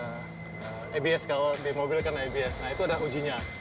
abs kalau di mobil karena abs nah itu ada ujinya